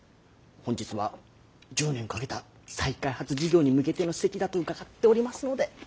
本日は１０年かけた再開発事業に向けての席だと伺っておりますので。